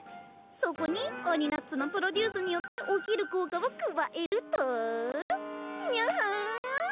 そこにオニナッツのプロデュースによって起きる効果を加えるとにゃは！